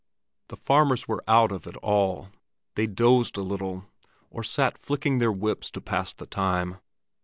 The farmers were out of it all. They dozed a little or sat flicking their whips to pass the time.